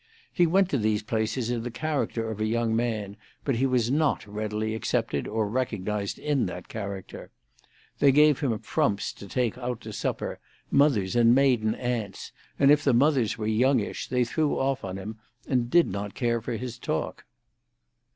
He went to these places in the character of a young man, but he was not readily accepted or recognised in that character. They gave him frumps to take out to supper, mothers and maiden aunts, and if the mothers were youngish, they threw off on him, and did not care for his talk.